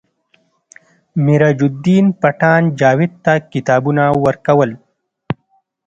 میراج الدین پټان جاوید ته کتابونه ورکول